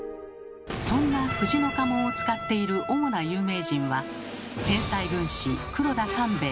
そんな藤の家紋を使っている主な有名人は天才軍師黒田官兵衛。